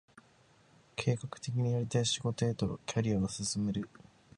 計画的にやりたい仕事へとキャリアを進める